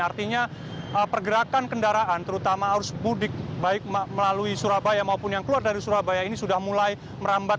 artinya pergerakan kendaraan terutama arus mudik baik melalui surabaya maupun yang keluar dari surabaya ini sudah mulai merambat